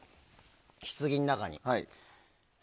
ひつぎの中に。